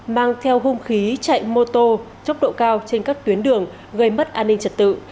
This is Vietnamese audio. mang theo hung khí chạy mô tô tốc độ cao trên các tuyến đường gây mất an ninh trật tự